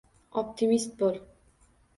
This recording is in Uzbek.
Optimist bo‘l.